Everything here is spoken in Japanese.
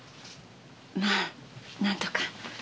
まあなんとか。